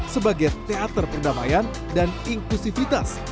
sebagai teater perdamaian dan inklusivitas